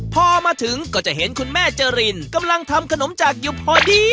พอมาถึงก็จะเห็นคุณแม่เจรินกำลังทำขนมจากอยู่พอดี